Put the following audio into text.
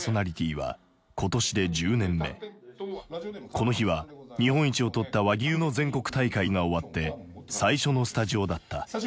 この日は日本一を取った和牛の全国大会が終わって最初のスタジオだった。